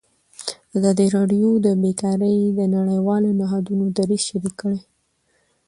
ازادي راډیو د بیکاري د نړیوالو نهادونو دریځ شریک کړی.